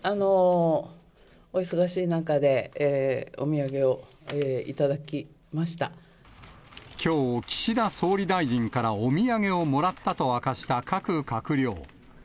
お忙しい中で、きょう、岸田総理大臣からお土産をもらったと明かした各閣僚。